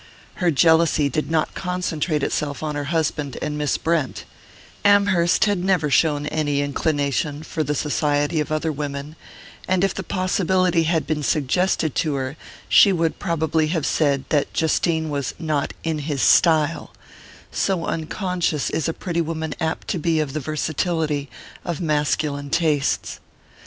Her jealousy did not concentrate itself on her husband and Miss Brent: Amherst had never shown any inclination for the society of other women, and if the possibility had been suggested to her, she would probably have said that Justine was not "in his style" so unconscious is a pretty woman apt to be of the versatility of masculine tastes.